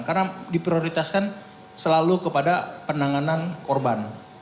karena diprioritaskan selalu pada penanganan korban